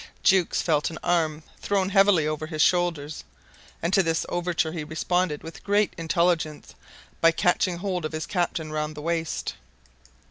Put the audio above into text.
Jukes felt an arm thrown heavily over his shoulders; and to this overture he responded with great intelligence by catching hold of his captain round the waist.